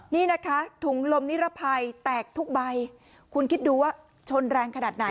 นี่นะคะถุงลมนิรภัยแตกทุกใบคุณคิดดูว่าชนแรงขนาดไหน